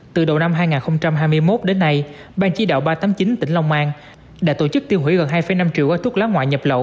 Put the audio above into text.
từ đầu năm hai nghìn hai mươi một đến nay ban chỉ đạo ba trăm tám mươi chín tỉnh long an đã tổ chức tiêu hủy gần hai năm triệu gói thuốc lá ngoại nhập lậu